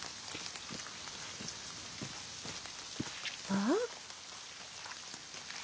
ああ？